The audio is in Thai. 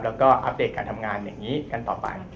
แล้วก็อัปเดตการทำงานอย่างนี้กันต่อไป